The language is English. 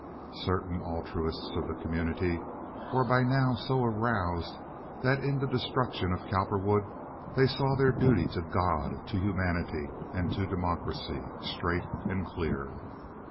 Certain altruists of the community were by now so aroused that in the destruction of Cowperwood they saw their duty to God, to humanity, and to democracy straight and clear.